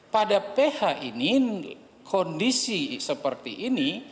pada ph ini kondisi seperti ini